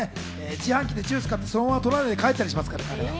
自販機でジュース買って、そのまま取らないで帰ったりしますから。